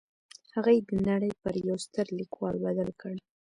هغه يې د نړۍ پر يوه ستر ليکوال بدل کړ.